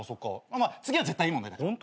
次は絶対いい問題だから。